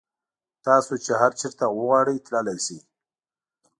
تاسو چې هر چېرته وغواړئ تللی شئ.